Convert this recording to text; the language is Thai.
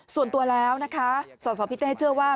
ส่วนตัวแล้วนะคะสาวพิเต้ยเจอว่า